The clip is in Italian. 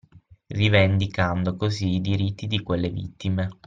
Rivendicando così i diritti di quelle vittime